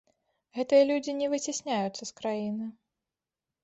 Гэтыя людзі не выцясняюцца з краіны.